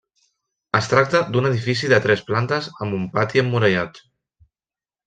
Es tracta d'un edifici de tres plantes amb un pati emmurallat.